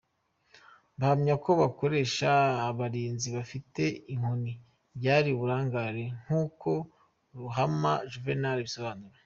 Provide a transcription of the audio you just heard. Bahamya ko gukoresha abarinzi bafite inkoni byari uburangare; nkuko Ruhama Juvenal abisobanura.